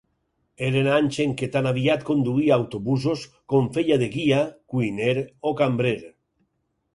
Eren anys en què tan aviat conduïa autobusos, com feia de guia, cuiner o cambrer.